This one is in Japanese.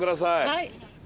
はい。